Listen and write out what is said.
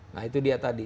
nah itu dia tadi